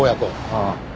ああ。